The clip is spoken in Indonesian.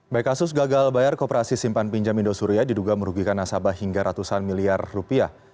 baik kasus gagal bayar kooperasi simpan pinjam indosuria diduga merugikan nasabah hingga ratusan miliar rupiah